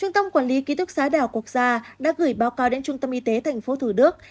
trung tâm quản lý ký túc xá đảo quốc gia đã gửi báo cáo đến trung tâm y tế tp thủ đức